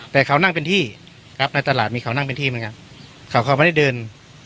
แต่เขานั่งเป็นที่ครับในตลาดมีเขานั่งเป็นที่เหมือนกันเขาเขาไม่ได้เดิน